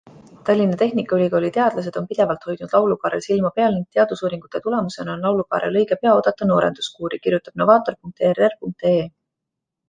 Tallinna tehnikaülikooli teadlased on pidevalt hoidnud laulukaarel silma peal ning teadusuuringute tulemusena on laulukaarel õige pea oodata noorenduskuuri, kirjutab novaator.err.ee.